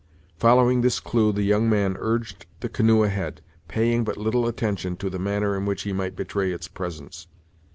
Following this clue, the young man urged the canoe ahead, paying but little attention to the manner in which he might betray its presence.